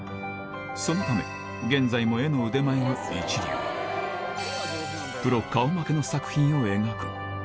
そのため現在も絵の腕前は一流の作品を描く